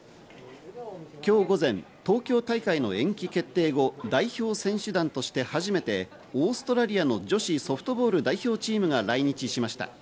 今日午前、東京大会の延期決定後代表選手団として初めてオーストラリアの女子ソフトボール代表チームが来日しました。